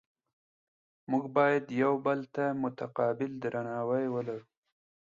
موږ باید یو بل ته متقابل درناوی ولرو